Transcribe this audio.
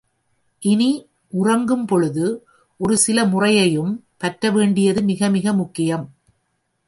இனி, உறங்கும் பொழுது ஒரு சில முறையையும் பற்ற வேண்டியது மிக மிக முக்கியம்.